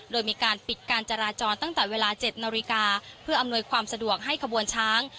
โดยมีการปิดการจราจรตั้งแต่เวลา๗นาฬิกาเพื่ออำนวยความสะดวกให้ขบวนช้าง